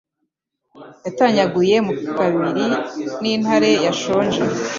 Yatanyaguwe mo kabiri ni intare yashonje